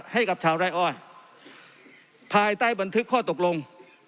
ให้กับชาวไร่อ้อยภายใต้บันทึกข้อตกลง